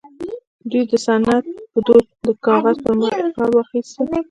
دوی د سند په دود د کاغذ پر مخ اقرار واخيسته